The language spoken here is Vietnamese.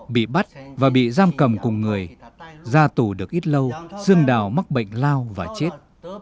bị bắt và bị giam cầm cùng người ra tù được ít lâu xương đào mắc bệnh lao và chết